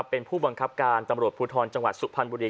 เป็นผู้บังคับการตำรวจภูทรจังหวัดสุพรรณบุรี